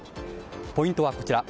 ポイントはこちら。